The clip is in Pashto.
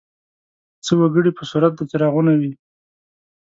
څه وګړي په صورت د څراغونو وي.